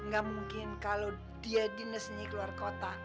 gak mungkin kalo dia di nes nyi keluar kota